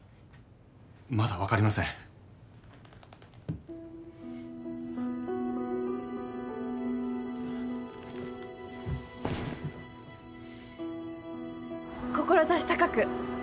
まだ分かりません志高く！